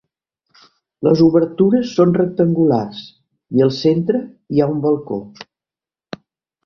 Les obertures són rectangulars i al centre hi ha un balcó.